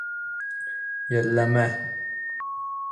Йәлләмә-ә.